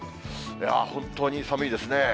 ああ、本当に寒いですね。